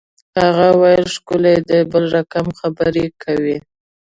هغه ویل ښکلی دی بل رقم خبرې کوي